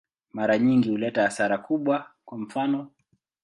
Mara nyingi huleta hasara kubwa, kwa mfano.